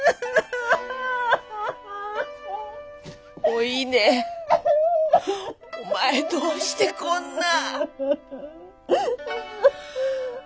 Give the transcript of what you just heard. お稲お前どうしてこんな。